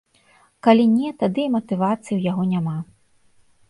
Калі не, тады і матывацыі ў яго няма.